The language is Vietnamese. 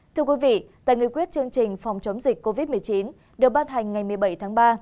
thưa quý vị tại nghị quyết chương trình phòng chống dịch covid một mươi chín được ban hành ngày một mươi bảy tháng ba